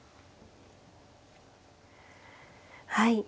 はい。